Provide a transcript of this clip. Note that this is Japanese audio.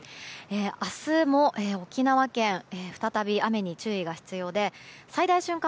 明日も沖縄県で再び雨に注意が必要で最大瞬間